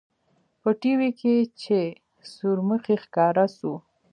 په ټي وي کښې چې سورمخى ښکاره سو.